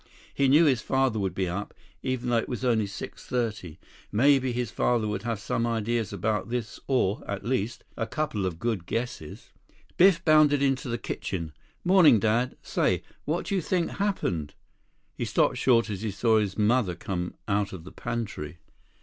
He knew his father would be up, even though it was only six thirty. Maybe his father would have some ideas about this or, at least, a couple of good guesses. 5 Biff bounded into the kitchen. "Morning, Dad. Say, what do you think happened—" He stopped short as he saw his mother come out of the pantry.